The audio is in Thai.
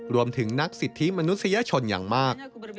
รวมถึงนักสิทธิมนุษยชนอย่างมาก